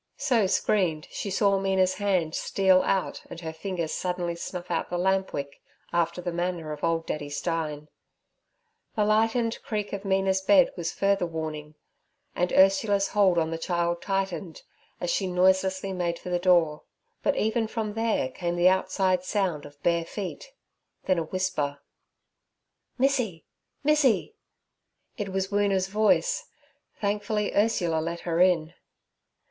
So screened, she saw Mina's hand steal out and her fingers suddenly snuff out the lamp wick, after the manner of old Daddy Stein. The lightened creak of Mina's bed was further warning, and Ursula's hold on the child tightened, as she noiselessly made for the door; but even from there came the outside sound of bare feet, then a whisper: 'Missy, missy!' It was Woona's voice. Thankfully Ursula let her in.